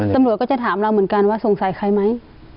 ตำรวจก็จะถามเราเหมือนกันว่าสงสัยใครไหม